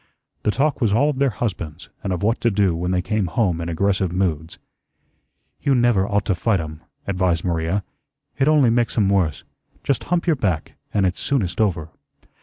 The talk was all of their husbands and of what to do when they came home in aggressive moods. "You never ought to fight um," advised Maria. "It only makes um worse. Just hump your back, and it's soonest over."